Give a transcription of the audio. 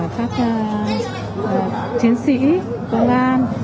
các chiến sĩ công an